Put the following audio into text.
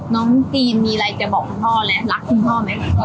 น้องจีนมีอะไรจะบอกคุณพ่อไหมรักคุณพ่อไหม